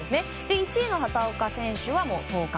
１位の畑岡選手は当確。